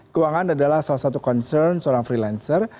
keuangan adalah salah satu concern seorang freelancer